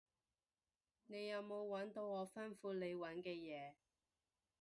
你有冇搵到我吩咐你搵嘅嘢？